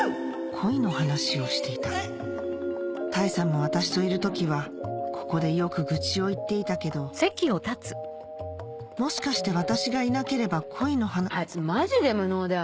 恋の話をしていた多江さんも私といる時はここでよく愚痴を言っていたけどもしかして私がいなければ恋のあいつマジで無能だよ